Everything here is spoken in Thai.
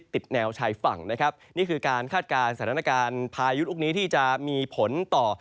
แนวชายฝั่งนะครับนี่คือการคาดการณ์สถานการณ์พายุลูกนี้ที่จะมีผลต่อ